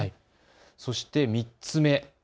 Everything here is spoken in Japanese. そして３つ目。